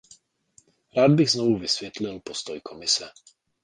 Rád bych znovu vysvětlil postoj Komise.